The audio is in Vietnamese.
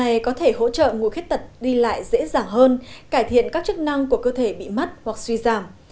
dụng cụ này có thể hỗ trợ ngụy khuyết tật đi lại dễ dàng hơn cải thiện các chức năng của cơ thể bị mất hoặc suy giảm